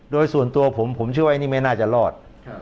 โดยส่วนตัวผมผมเชื่อว่านี่ไม่น่าจะรอด